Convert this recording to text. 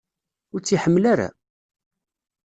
Ur tt-iḥemmel ara?